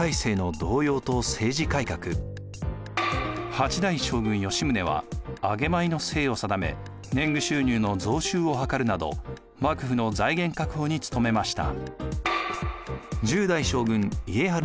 ８代将軍・吉宗は上米の制を定め年貢収入の増収をはかるなど幕府の財源確保に努めました。